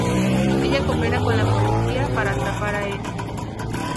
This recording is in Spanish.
Ella coopera con la policía para atrapar a Eddie.